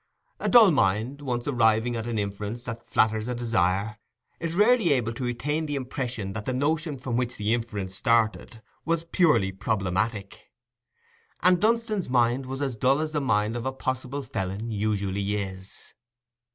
A dull mind, once arriving at an inference that flatters a desire, is rarely able to retain the impression that the notion from which the inference started was purely problematic. And Dunstan's mind was as dull as the mind of a possible felon usually is.